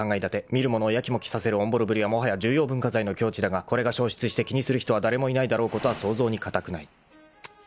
［見る者をやきもきさせるおんぼろぶりはもはや重要文化財の境地だがこれが消失して気にする人は誰もいないだろうことは想像に難くない］